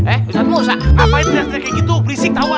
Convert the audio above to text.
eh ustadz mau ngapain teriak teriak kayak gitu berisik tawa